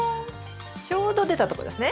ちょうど出たとこですね。